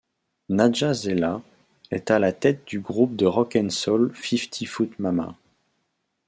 Nadja Zela est à la tête du groupe de Rock'n'Soul Fifty Foot Mama.